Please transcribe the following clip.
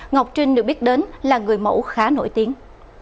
ngọc trinh được biết đến là người mẫu khá nổi tiếng